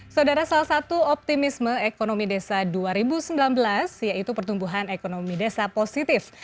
saudara salah satu optimisme ekonomi desa dua ribu sembilan belas yaitu pertumbuhan ekonomi desa positif